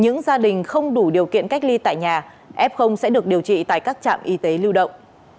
những gia đình không đủ điều kiện cách ly tại nhà f sẽ được điều trị tại các trạm y tế lưu động